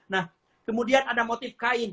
nah kemudian ada motif kain